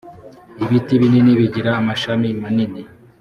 ibiti binini bigira amashami manini.